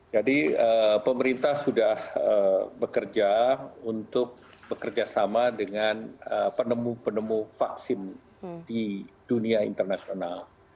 jadi pemerintah sudah bekerja untuk bekerjasama dengan penemu penemu vaksin di dunia internasional